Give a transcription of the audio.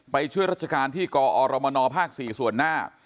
ไปช่วยราชการที่กอรมนภ๔ส่วนหน้า